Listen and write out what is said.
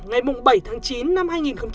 ngày bảy tháng chín năm hai nghìn một mươi chín